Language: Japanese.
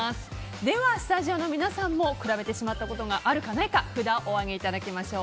では、スタジオの皆さんも比べてしまったことがあるかないか札をお上げいただきましょう。